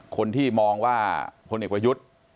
คนที่มองว่าพลเอกประยุทธ์